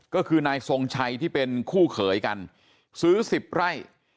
ก็คือนายทรงชัยที่เป็นคู่เขยกันซื้อ๑๐ไร่